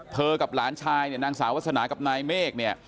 กับหลานชายเนี่ยนางสาววาสนากับนายเมฆเนี่ย